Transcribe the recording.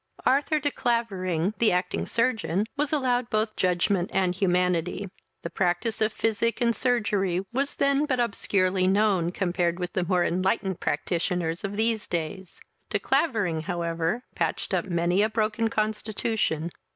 Arthur de Clavering, the acting surgeon, was allowed both judgment and humanity. The practice of physic and surgery was then but obscurely known, compared with the more enlightened practioners of these days. De Clavering, however, patched up many a broken constitution.